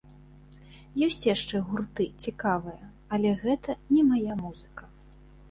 Ёсць яшчэ гурты цікавыя, але гэта не мая музыка.